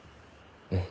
うん。